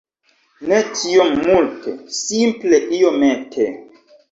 Ne tiom multe, simple iomete